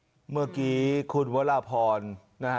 แต่เราซื้อขายออนไลน์เราเราเลยไม่มีบิลในส่วนนี้ค่ะ